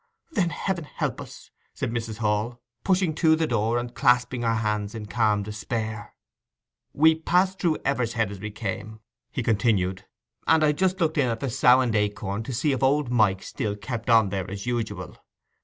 'Then Heaven help us!' said Mrs. Hall, pushing to the door and clasping her hands in calm despair. 'We passed through Evershead as we came,' he continued, 'and I just looked in at the "Sow and Acorn" to see if old Mike still kept on there as usual.